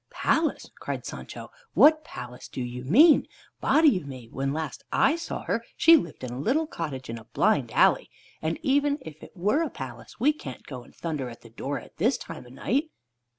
"Palace?" cried Sancho, "What palace do you mean? Body o' me! When last I saw her, she lived in a little cottage in a blind alley. And even if it were a palace, we can't go and thunder at the door at this time o' night."